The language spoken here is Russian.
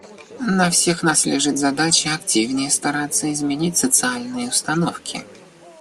На всех нас лежит задача активнее стараться изменить социальные установки.